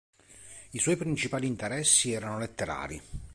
I suoi principali interessi erano letterari.